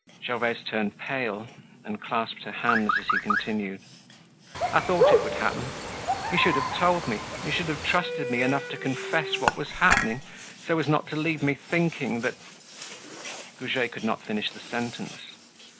Gervaise turned pale and clasped her hands as he continued: "I thought it would happen. You should have told me, you should have trusted me enough to confess what was happening, so as not to leave me thinking that—" Goujet could not finish the sentence.